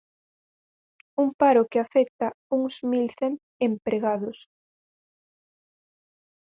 Un paro que afecta uns mil cen empregados.